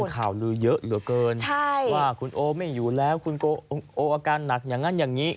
ข่าวลือเยอะเหลือเกินว่าคุณโอไม่อยู่แล้วคุณโออาการหนักอย่างนั้นอย่างนี้